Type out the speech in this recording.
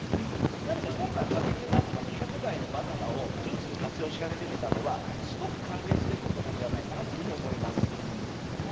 なので今回、ファミリーマートが規格外のバナナをジュースに活用し始めたのは歓迎すべきことなんではないかそうなんですね。